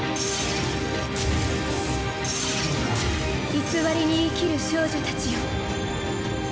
偽りに生きる少女たちよ。